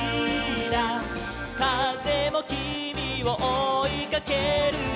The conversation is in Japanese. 「かぜもきみをおいかけるよ」